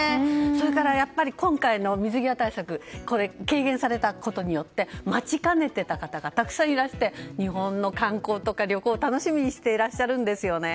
それから、今回の水際対策が軽減されたことによって待ちかねていた方がたくさんいらして日本の観光とか旅行、楽しみにしてらっしゃるんですよね。